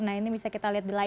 nah ini bisa kita lihat di lain